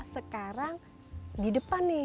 sekarang di depan nih